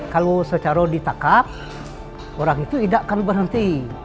kalau secara ditangkap orang itu tidak kami berhenti